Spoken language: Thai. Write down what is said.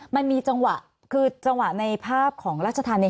มันมีจังหวะคือจังหวะในภาพของราชธรรมเนี่ย